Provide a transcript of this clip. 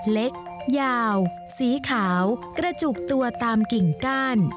เล็กยาวสีขาวกระจุกตัวตามกิ่งก้าน